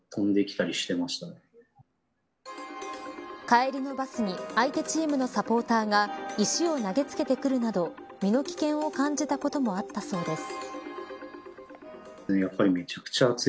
帰りのバスに相手チームのサポーターが石を投げつけてくるなど身の危険を感じたこともあったそうです。